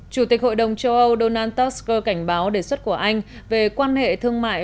chủ tịch hội đồng châu âu donald sk cảnh báo đề xuất của anh về quan hệ thương mại